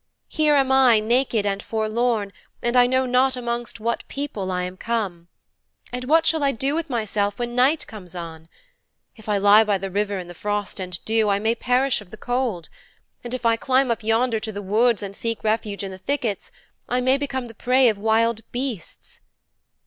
Here am I, naked and forlorn, and I know not amongst what people I am come. And what shall I do with myself when night comes on? If I lie by the river in the frost and dew I may perish of the cold. And if I climb up yonder to the woods and seek refuge in the thickets I may become the prey of wild beasts.'